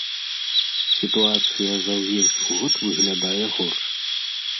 Сітуацыя за ўвесь год выглядае горш.